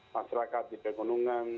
masyarakat di pegunungan